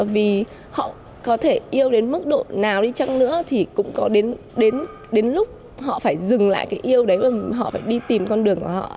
vì họ có thể yêu đến mức độ nào đi chăng nữa thì cũng có đến lúc họ phải dừng lại cái yêu đấy và họ phải đi tìm con đường của họ